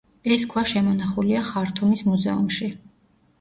ეს ქვა შემონახულია ხართუმის მუზეუმში.